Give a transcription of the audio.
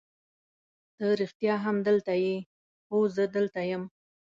ته رښتیا هم دلته یې؟ هو زه همدلته یم.